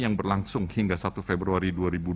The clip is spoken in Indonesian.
yang berlangsung hingga satu februari dua ribu dua puluh